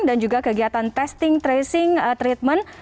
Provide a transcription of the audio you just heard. dan juga kegiatan testing tracing treatment